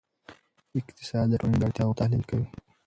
اقتصاد د ټولنې د اړتیاوو تحلیل کوي.